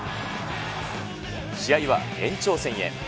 試合は延長戦へ。